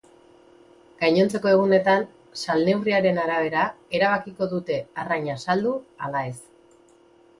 Gainontzeko egunetan salneurriaren arabera erabakiko dute arraina saldu ala ez.